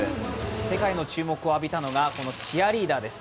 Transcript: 世界の注目を浴びたのがこのチアリーダーです。